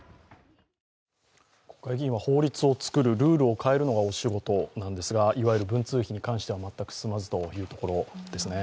国会議員は法律を作る、ルールを変えるのがお仕事なんですが、いわゆる文通費に関しては全く進まずということですね。